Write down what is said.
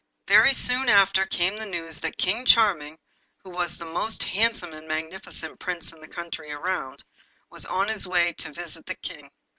Very soon after came the news that King Charming, who was the most handsome and magnificent Prince in all the country round, was on his way to visit the King.